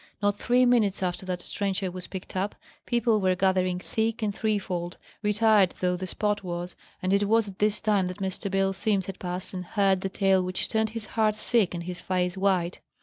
Not three minutes after that trencher was picked up, people were gathering thick and threefold, retired though the spot was; and it was at this time that Mr. Bill Simms had passed, and heard the tale which turned his heart sick and his face white.